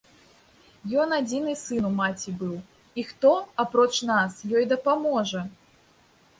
Ён адзіны сын у маці быў, і хто, апроч нас, ёй дапаможа?